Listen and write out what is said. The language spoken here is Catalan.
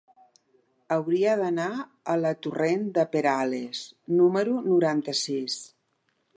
Hauria d'anar a la torrent de Perales número noranta-sis.